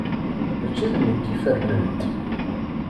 Mačči d nekk i fernent.